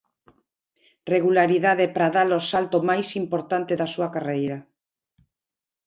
Regularidade para dar o salto máis importante da súa carreira.